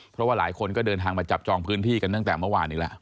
เพราะว่าหลายคนก็เดินทางมาจับจองพื้นที่กันตั้งแต่เมื่อวานอีกแล้ว